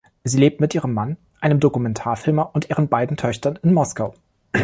Sie lebt mit ihrem Mann, einem Dokumentarfilmer, und ihren beiden Töchtern in Moskau.